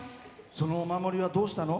そのお守りはどうしたの？